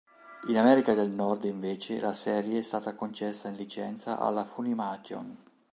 In America del Nord, invece, la serie è stata concessa in licenza alla Funimation.